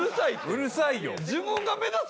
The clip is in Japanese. うるさいよ。